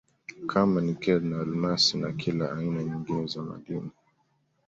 kama Nikel na almasi na kila aina nyingine za madini